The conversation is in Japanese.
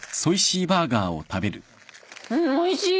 おいしい！